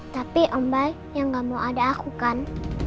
tapi om baik yang nggak mau ada aku kan